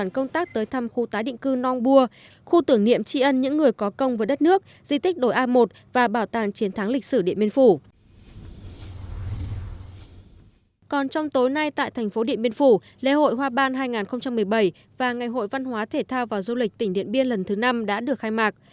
còn trong tối nay tại thành phố điện biên phủ lễ hội hoa ban hai nghìn một mươi bảy và ngày hội văn hóa thể thao và du lịch tỉnh điện biên lần thứ năm đã được khai mạc